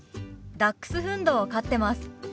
ダックスフンドを飼ってます。